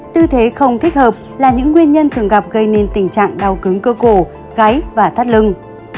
tư thế không thích hợp là những nguyên nhân thường gặp gây nên tình trạng đau cứng cơ cổ gáy và thắt lưng